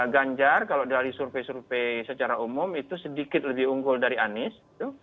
ganjar kalau dari survei survei secara umum itu sedikit lebih unggul dari anies